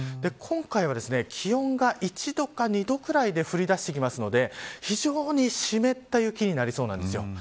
今回は、気温が１度か２度くらいで降り出すので非常に湿った雪になりそうです。